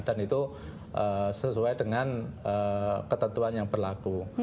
dan itu sesuai dengan ketentuan yang berlaku